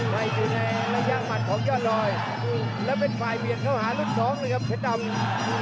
ไหว้อยู่ในระยะมันของยอดรอยแล้วเป็นฝ่ายเปลี่ยนเข้าหารุ่นสองเลยครับเค้นดำ